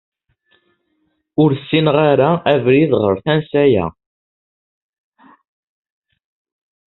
Ur ssineɣ ara abrid ɣer tansa-a.